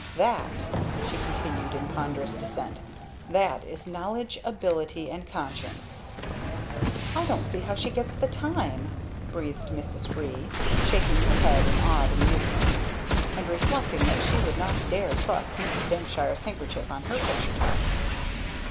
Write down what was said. "That," she continued in ponderous descent, "that is Knowledge, Ability and Conscience!" "I don't see how she gets the time!" breathed Mrs. Ree, shaking her head in awed amazement, and reflecting that she would not dare trust Mrs. Dankshire's handkerchief on her picture tops.